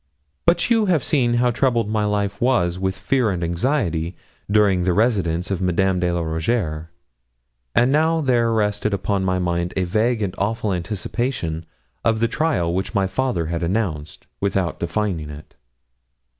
But you have seen how troubled my life was with fear and anxiety during the residence of Madame de la Rougierre, and now there rested upon my mind a vague and awful anticipation of the trial which my father had announced, without defining it.